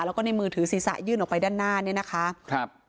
แล้วก็ในมือถือศีรษะยื่นออกไปด้านหน้าเนี่ยนะคะครับ